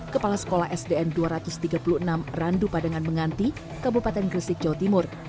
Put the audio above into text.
kepala sekolah sdn dua ratus tiga puluh enam randu padangan menganti kabupaten gresik jawa timur